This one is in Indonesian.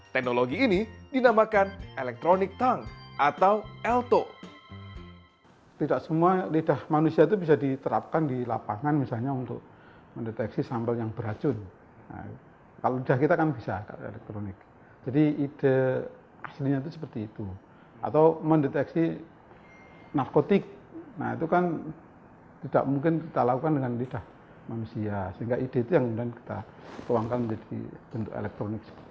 teknologi ini dinamakan electronic tongue atau elto